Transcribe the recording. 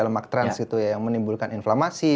lemak trans gitu ya yang menimbulkan inflamasi